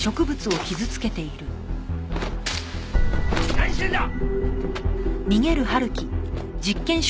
何してんだ！？